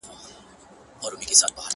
نجلۍ له شرمه ځان پټوي او مقاومت نه کوي،